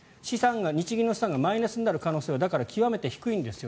日銀の資産がマイナスになる可能性は極めて低いんですよ